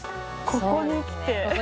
ここに来て。